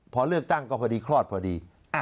พอเลือกตั้งก็พอดีคลอดพอดี